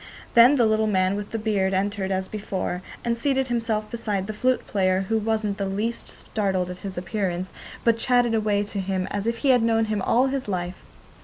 Then the little man with the beard entered as before and seated himself beside the flute player, who wasn't the least startled at his appearance, but chatted away to him as if he had known him all his life.